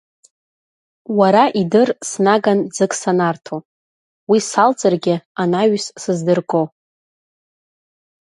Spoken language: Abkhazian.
Уара идыр снаган ӡык санарҭо, уи салҵыргьы анаҩсан сыздырго…